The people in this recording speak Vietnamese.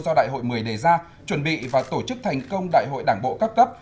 do đại hội một mươi đề ra chuẩn bị và tổ chức thành công đại hội đảng bộ các cấp